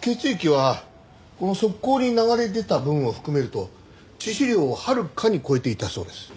血液はこの側溝に流れ出た分を含めると致死量をはるかに超えていたそうです。